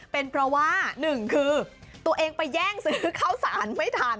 เป็นเพราะว่า๑ตัวเองไปแย่งซื้อเข้าสารไม่ทัน